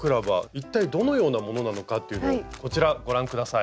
一体どのようなものなのかというのをこちらご覧下さい。